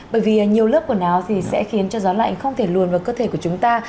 bởi vì nhiều lớp quần áo thì sẽ khiến cho gió lạnh không thể luồn vào cơ thể của chúng ta